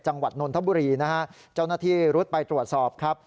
นนทบุรีนะฮะเจ้าหน้าที่รุดไปตรวจสอบครับ